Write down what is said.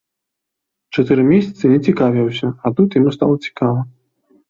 Чатыры месяцы не цікавіўся, а тут яму стала цікава.